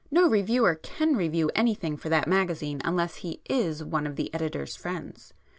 No reviewer can review anything for that magazine unless he is one of the editor's friends.